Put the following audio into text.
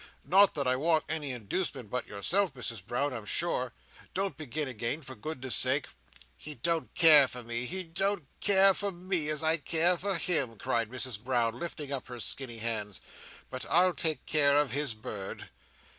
"Not that I want any inducement but yourself, Misses Brown, I'm sure. Don't begin again, for goodness' sake." "He don't care for me! He don't care for me, as I care for him!" cried Mrs Brown, lifting up her skinny hands. "But I'll take care of his bird."